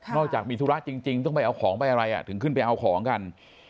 อกจากมีธุระจริงต้องไปเอาของไปอะไรถึงขึ้นไปเอาของกัน